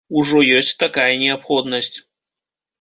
Ужо ёсць такая неабходнасць.